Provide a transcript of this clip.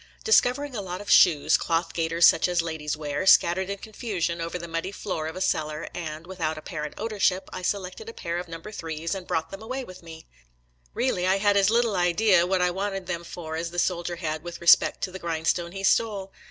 Discovering a lot of shoes — cloth gaiters such as ladies wear — scattered in confusion over the muddy floor of a cellar and, without apparent ownership, I se lected a pair of No. 3's and brought them away with me. Eeally, I had as little idea what I wanted them for as the soldier had with respect to the grindstone he stole.